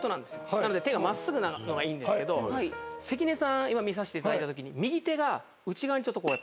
なので手が真っすぐなのがいいんですけど関根さん今見させていただいたときに右手が内側にちょっと入ってる。